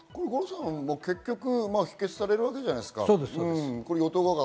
結局、否決されるわけじゃないですか。